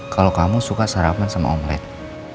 kalo kamu suka sarapan sama omelette